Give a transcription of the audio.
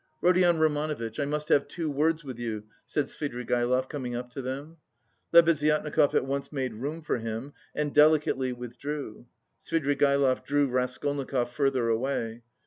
"Rodion Romanovitch, I must have two words with you," said Svidrigaïlov, coming up to them. Lebeziatnikov at once made room for him and delicately withdrew. Svidrigaïlov drew Raskolnikov further away.